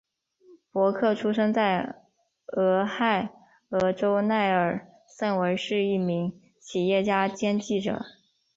帕克出生在俄亥俄州奈尔森维尔是一名企业家兼记者。